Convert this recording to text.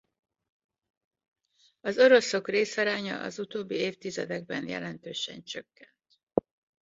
Az oroszok részaránya az utóbbi évtizedekben jelentősen csökkent.